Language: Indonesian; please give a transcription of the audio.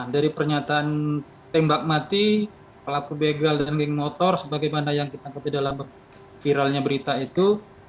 dari pernyataan tembak mati pelaku begal dan geng motor sebagaimana yang kita ketahui dalam viralnya berita itu